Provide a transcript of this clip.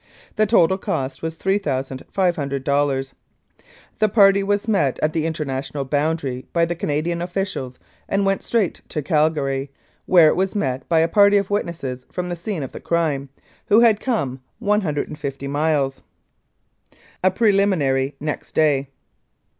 The total cost was $3,500. "The party was met at the international boundary by the Canadian officials, and went straight to Calgary, where it was met by a party of witnesses from the scene of the crime, who had come 150 miles. "A PRELIMINARY * NEXT DAY.'